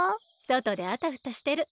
そとであたふたしてる。